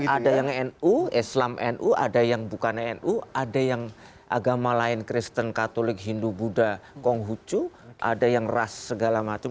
ada yang nu islam nu ada yang bukan nu ada yang agama lain kristen katolik hindu buddha konghucu ada yang ras segala macam